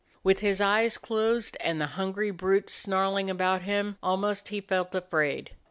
With his eyes closed and the hungry brutes snarling about him, almost he felt afraid.